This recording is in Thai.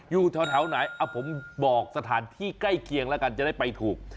อยู่แถวไหนผมบอกสถานที่ใกล้เคียงแล้วกันจะได้ไปถูก